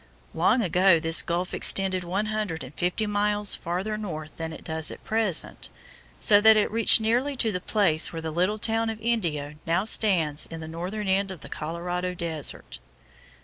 Long ago this gulf extended one hundred and fifty miles farther north than it does at present, so that it reached nearly to the place where the little town of Indio now stands in the northern end of the Colorado desert.